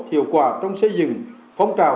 hiệu quả trong xây dựng phong trào